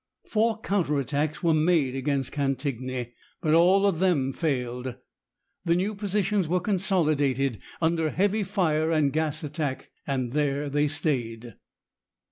Four counter attacks were made against Cantigny, but all of them failed. The new positions were consolidated, under heavy fire and gas attack, and there they stayed.